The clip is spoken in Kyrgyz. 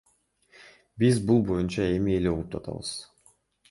Биз бул боюнча эми эле угуп жатабыз.